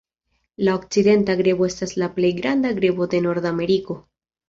La Okcidenta grebo estas la plej granda grebo de Nordameriko.